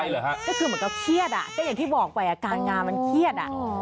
แล้วก็เครียดอ่ะก็อย่างที่บอกไปอาการงานมันเครียดอ่ะ